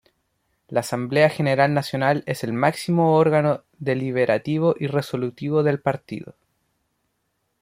La Asamblea General Nacional es el máximo órgano deliberativo y resolutivo del partido.